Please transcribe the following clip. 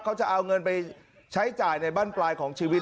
เขาจะเอาเงินไปใช้จ่ายในบ้านปลายของชีวิต